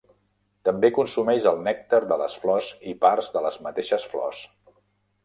També consumeix el nèctar de les flors i parts de les mateixes flors.